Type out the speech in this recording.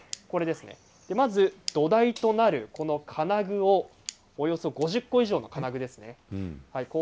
まず土台となる金具をおよそ５０個以上の金具です。